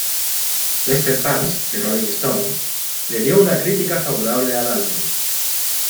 Lester Bangs de "Rolling Stone" le dio una crítica favorable al álbum.